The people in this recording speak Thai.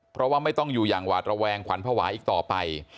เพราะว่าไม่ต้องอยู่อย่างหวาดระแวงขวัญภาวะอีกต่อไป